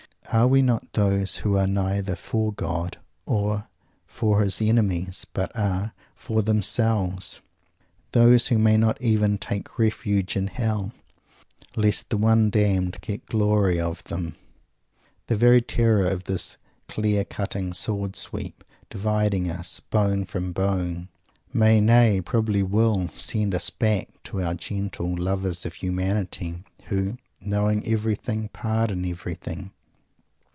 Are we not those who are neither for God or for his Enemies but are "for themselves"; those who may not even take refuge in Hell, lest the one damned get glory of them! The very terror of this clear cutting sword sweep, dividing us, bone from bone, may, nay! probably will, send us back to our gentle "lovers of humanity" who, "knowing everything pardon everything."